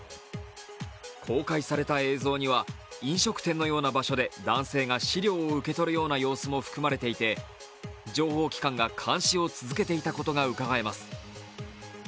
公開された映像には、飲食店のような場所で男性が資料を受け取るような様子も含まれていて情報機関が監視を続けていたことがうかがえます。